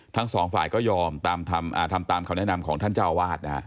ทั้งสองฝ่ายก็ยอมทำตามคำแนะนำของท่านเจ้าวาดนะฮะ